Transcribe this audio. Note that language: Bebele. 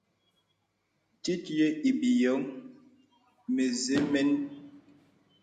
Tit yə îbɔ̀ŋ mə̄zɛ̄ mēn.